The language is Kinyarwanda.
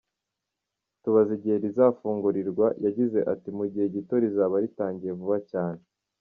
Tubaza igihe rizafungurirwa, yagize ati “Mu gihe gito rizaba ritangiye vuba cyane.